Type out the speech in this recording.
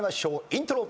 イントロ。